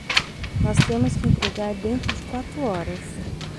Nós temos que entregar dentro de quatro horas